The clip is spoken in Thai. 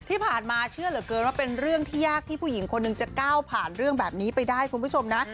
ที่ผ่านมาเชื่อเหลือเกินว่าเป็นเรื่องที่ยากที่ผู้หญิงคนหนึ่งจะก้าวผ่านเรื่องแบบนี้ไปได้คุณผู้ชมนะ